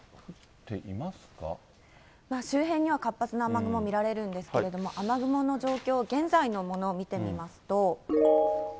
周辺には活発な雨雲見られるんですけれども、雨雲の状況、現在のものを見てみますと。